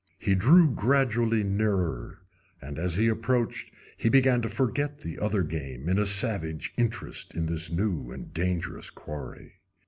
He drew gradually nearer, and, as he approached, he began to forget the other game in a savage interest in this new and dangerous quarry.